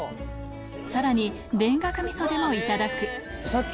さらに田楽味噌でもいただくさっき。